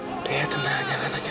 gantian dong sama mama